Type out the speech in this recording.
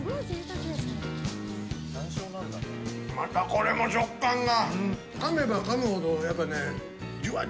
またこれも食感が！